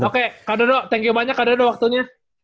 oke kak dodo thank you banyak kak dodo waktunya